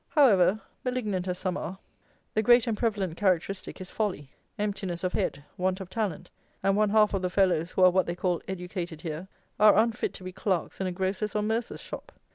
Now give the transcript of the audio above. However, malignant as some are, the great and prevalent characteristic is folly: emptiness of head; want of talent; and one half of the fellows who are what they call educated here, are unfit to be clerks in a grocer's or mercer's shop.